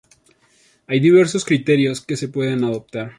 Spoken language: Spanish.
Hay diversos criterios que se pueden adoptar.